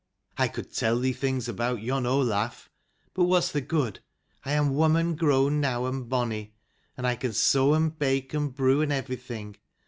I could tell thee things about yon Olaf but what's the good ? I am woman grown now, and bonny ; and I can sew and bake and brew and everything.